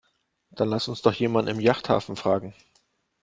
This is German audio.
Dann lass uns doch jemanden im Yachthafen fragen.